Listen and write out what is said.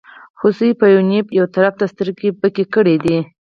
هوسۍ په یوه نېب یوه طرف ته سترګې بکې کړې دي.